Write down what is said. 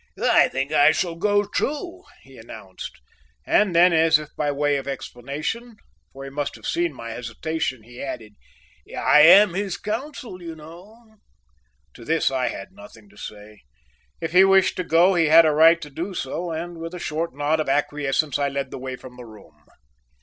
"I think I shall go too," he announced, and then as if by way of explanation, for he must have seen my hesitation, he added, "I am his counsel, you know." To this I had nothing to say. If he wished to go he had a right to do so, and with a short nod of acquiescence I led the way from the room.